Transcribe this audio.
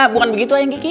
bukan begitu ayang kiki